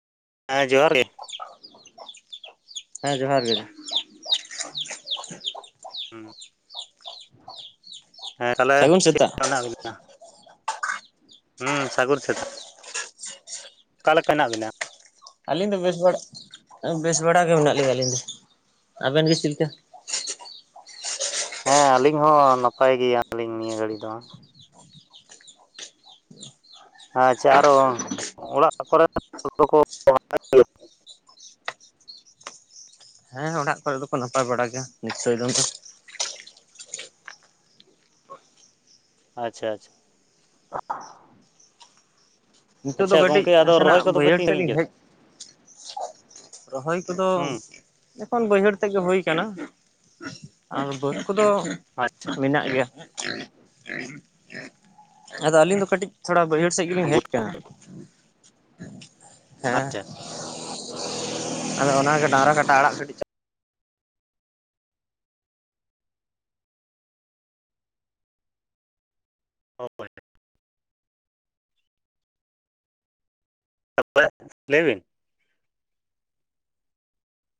ᱦᱮᱸ ᱡᱚᱦᱟᱨ ᱜᱮ ᱾ ᱦᱮᱸ ᱡᱚᱦᱟᱨ ᱜᱮ ᱾ ᱦᱩᱸ ᱾ ᱦᱮᱸ ᱛᱟᱦᱚᱞᱮ ᱥᱟᱹᱜᱩᱱ ᱪᱮᱫ ᱥᱮᱛᱟᱜ ᱞᱮᱠᱟ ᱢᱮᱱᱟᱜ ᱵᱮᱤᱱᱟ? ᱦᱩᱸ ᱥᱟᱜᱩᱱ ᱥᱮᱛᱟᱜ ᱚᱠᱟ ᱞᱮᱠᱟ ᱦᱮᱱᱟᱜ ᱵᱤᱱᱟ? ᱟᱞᱤᱧ ᱫᱚ ᱵᱮᱥ ᱵᱟᱲᱟ ᱵᱮᱥ ᱵᱟᱲᱟ ᱜᱮ ᱢᱮᱱᱟᱜ ᱞᱤᱧᱟ ᱟᱹᱞᱤᱧ ᱫᱚ, ᱟᱵᱮᱱ ᱜᱮ ᱪᱮᱫ ᱞᱮᱠᱟ? ᱦᱮᱸ ᱟᱹᱞᱤᱧ ᱦᱚᱸ ᱱᱟᱯᱟᱭ ᱜᱮᱭᱟᱞᱤᱧ ᱱᱤᱭᱟᱹ ᱜᱷᱟᱹᱲᱤ ᱫᱚ ᱾ ᱟᱪᱪᱷᱟ ᱟᱨᱦᱚ ᱚᱲᱟᱜ ᱠᱚᱨᱮ [unintelligible] ᱦᱮᱸᱦᱮᱸ ᱚᱲᱟᱜ ᱠᱚᱨᱮ ᱫᱚᱠᱚ ᱱᱟᱯᱟᱭ ᱵᱟᱲᱟ ᱜᱮᱭᱟ ᱱᱤᱥᱪᱚᱭ ᱫᱚᱢ ᱾ ᱟᱪᱪᱷᱟ ᱟᱪᱪᱷᱟ ᱾ ᱱᱤᱛᱚᱜ ᱫᱚ ᱠᱟᱹᱴᱤᱡ ᱜᱚᱝᱠᱮ ᱟᱫᱚ ᱨᱚᱦᱚᱭ ᱱᱟᱥᱮᱱᱟᱜ ᱠᱚᱫᱚ ᱯᱮ ᱵᱟᱹᱭᱦᱟᱹᱲ ᱛᱤᱱ ᱥᱮᱫ ᱥᱟᱺᱜᱤᱧ ᱞᱤᱧ ᱠᱮᱫᱟ ᱦᱮᱡ ᱨᱚᱦᱚᱭ ᱠᱚᱫᱚ ᱦᱩᱸ ᱵᱟᱹᱭᱦᱟᱹᱲ ᱛᱮᱫ ᱜᱮ ᱦᱩᱭᱩ ᱟᱠᱟᱱᱟ ᱟᱨ ᱵᱟᱹᱫᱽ ᱠᱚᱫᱚ ᱟᱪᱪᱷᱟ ᱟᱵᱤᱱᱟᱜ ᱜᱮ, ᱟᱫᱚ ᱟᱹᱞᱤᱧ ᱫᱚ ᱠᱟᱹᱴᱤᱡ ᱛᱷᱚᱲᱟ ᱵᱟᱹᱭᱦᱟᱹᱲ ᱥᱮᱫ ᱜᱮᱞᱤᱧ ᱦᱮᱡ ᱜᱩᱴ ᱟᱠᱟᱱᱟ, ᱦᱮᱸ ᱟᱪᱪᱷᱟ ᱟᱫᱚ ᱚᱱᱟᱜᱮ ᱰᱟᱝᱨᱟ ᱠᱟᱴᱟ ᱟᱲᱟᱜ ᱠᱟᱹᱴᱤᱡ [unintelligible] [unintelligible] ᱞᱟᱹᱭ ᱵᱤᱱ